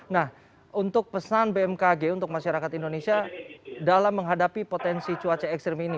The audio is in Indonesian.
nah untuk pesan bmkg untuk masyarakat indonesia dalam menghadapi potensi cuaca ekstrim ini